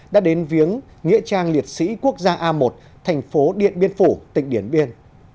đã đến viếng nghĩa trang liệt sĩ quốc gia a một thành phố điện biên phủ tỉnh điện biên